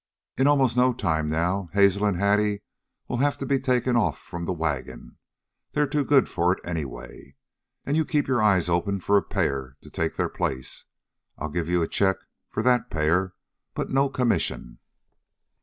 In almost no time, now, Hazel and Hattie will have to be taken off from the wagon they're too good for it anyway. And you keep your eyes open for a pair to take their place. I'll give you a check for THAT pair, but no commission."